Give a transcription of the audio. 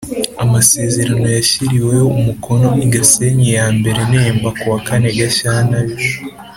amasezerano yashyiriweho umukono i Gasenyi I Nemba ku wa kane Gashyantare